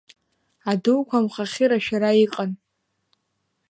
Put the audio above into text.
Адуқәа амхахьы рашәара иҟан.